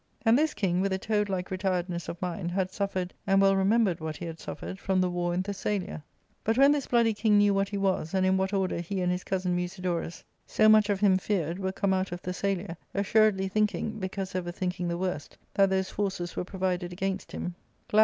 And this king, with a toad like retiredness of mind, had suffered, and well remembered . what he had suffered, from the war in Thessajia. But when this bloody king knew what he was, and in what order he and his cousin Musidorus, so much of him feared, were come out of Thessalia, assuredly thinking, because ever thinking the worst, that those forces were provided against him, glad / 154 ARCADIA.